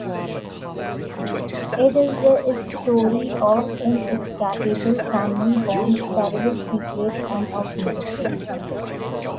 It is a story of inescapable family bonds, terrible secrets, and of miracles.